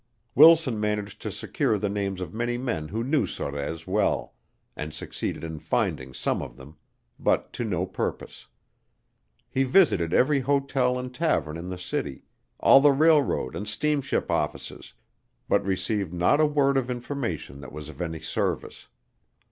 Wilson managed to secure the names of many men who knew Sorez well and succeeded in finding some of them; but to no purpose. He visited every hotel and tavern in the city, all the railroad and steamship offices, but received not a word of information that was of any service.